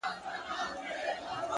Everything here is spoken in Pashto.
نظم د وخت د ساتنې هنر دی,